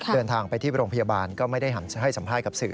เดินทางไปที่โรงพยาบาลก็ไม่ได้ให้สัมภาษณ์กับสื่อ